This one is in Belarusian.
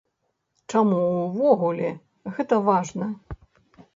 Чаму ўвогуле гэта важна?